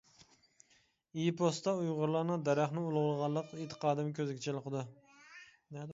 ئېپوستا ئۇيغۇرلارنىڭ دەرەخنى ئۇلۇغلىغانلىق ئېتىقادىمۇ كۆزگە چېلىقىدۇ.